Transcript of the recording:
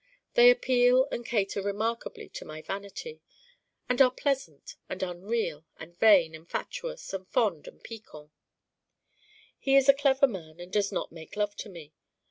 They appeal and cater remarkably to my vanity and are pleasant and unreal and vain and fatuous and fond and piquant. He is a clever man and does not make love to me.